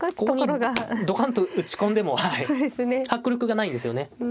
ここにドカンと打ち込んでも迫力がないんですよね。